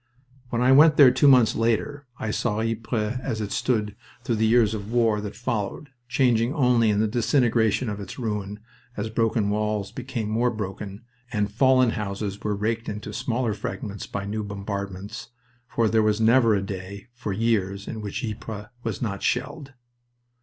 When I went there two months later I saw Ypres as it stood through the years of the war that followed, changing only in the disintegration of its ruin as broken walls became more broken and fallen houses were raked into smaller fragments by new bombardments, for there was never a day for years in which Ypres was not shelled.